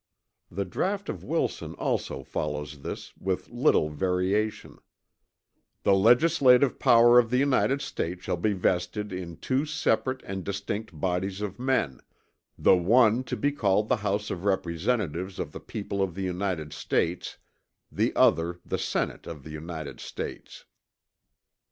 The draught of Wilson also follows this with little variation: "The Legislative power of the United States shall be vested in two separate and distinct Bodies of Men, the one to be called the House of Representatives of the People of the United States, the other the Senate of the United States."